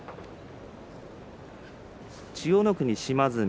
千代の国、島津海